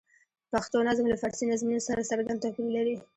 پښتو نظم له فارسي نظمونو سره څرګند توپیر لري.